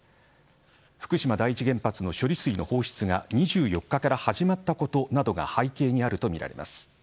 福島第１原発の処理水の放出が２４日から始まったことなどが背景にあるとみられます。